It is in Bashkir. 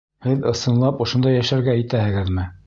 Һеҙ ысынлап ошонда йәшәргә итәһегеҙме?